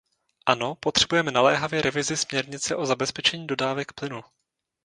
Ano, potřebujeme naléhavě revizi směrnice o zabezpečení dodávek plynu.